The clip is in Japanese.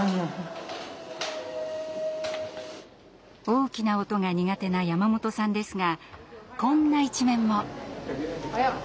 大きな音が苦手な山本さんですがこんな一面も。